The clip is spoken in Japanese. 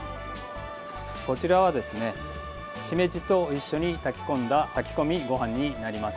こちらはしめじと一緒に炊き込んだ炊き込みごはんになります。